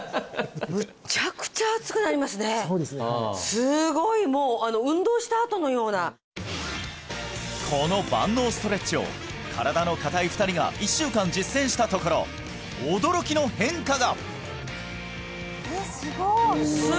すごいもうこの万能ストレッチを身体の硬い２人が１週間実践したところ驚きの変化が！